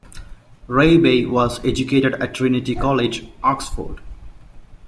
Reibey was educated at Trinity College, Oxford.